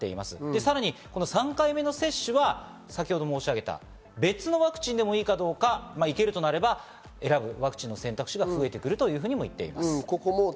さらに３回目の接種は先程申し上げた別のワクチンでもいいかどうか、いけるとなれば選ぶワクチンの選択肢が増えてくるともいっていますね。